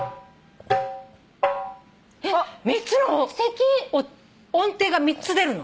３つの音程が３つ出るの。